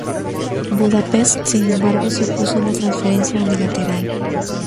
Budapest, sin embargo, se opuso a una transferencia unilateral.